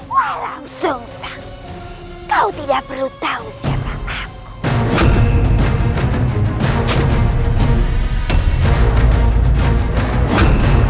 wah langsung kak kau tidak perlu tahu siapa aku